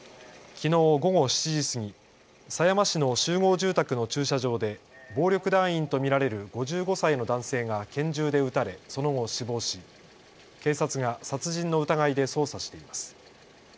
きのう午後７時過ぎ、狭山市の集合住宅の駐車場で暴力団員と見られる５５歳の男性が拳銃で撃たれその後、死亡し警察が殺人の疑いで捜査しています。